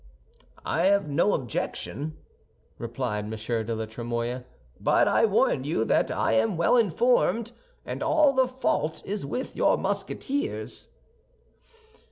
"I have no objection," replied M. de la Trémouille, "but I warn you that I am well informed, and all the fault is with your Musketeers."